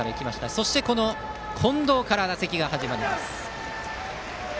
そして、この近藤から打席が始まります。